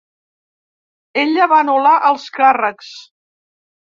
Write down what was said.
Ella va anular els càrrecs.